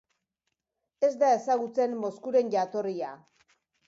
Ez da ezagutzen Moskuren jatorria.